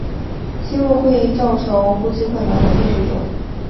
吸入会造成呼吸困难和肺水肿。